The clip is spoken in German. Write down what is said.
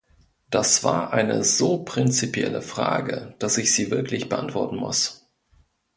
Das war eine so prinzipielle Frage, dass ich sie wirklich beantworten muss.